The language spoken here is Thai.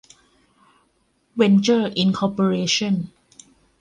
เวนเจอร์ อินคอร์ปอเรชั่น